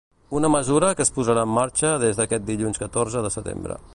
Una mesura que es posarà en marxa des d’aquest dilluns catorze de setembre.